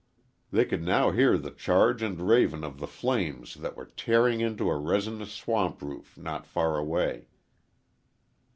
They could now hear the charge and raven of the flames that were tearing into a resinous swamp roof not far away.